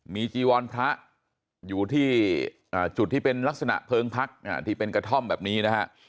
มีจีวรพระอยู่ที่จุดที่เป็นลักษณะเพลิงพักที่เป็นกระท่อมแบบนี้นะฮะ